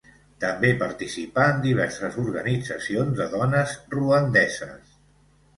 També participà en diverses organitzacions de dones ruandeses.